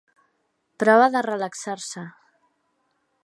Prova de relaxar-se.